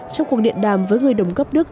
trong cuộc điện đàm với người đồng cấp đức